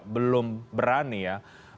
belum berani ya